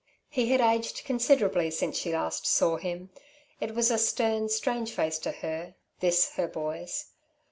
He had aged considerable since she last saw him. It was a stern, strange face to her, this her boy's.